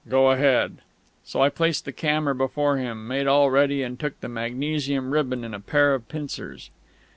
Go ahead." So I placed the camera before him, made all ready, and took the magnesium ribbon in a pair of pincers.